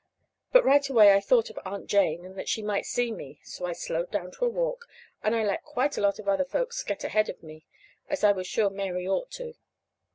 But right away I thought of Aunt Jane and that she might see me; so I slowed down to a walk, and I let quite a lot of other folks get ahead of me, as I was sure Mary ought to.